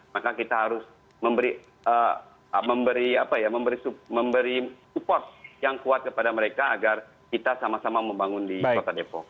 maka kita harus memberi support yang kuat kepada mereka agar kita sama sama membangun di kota depok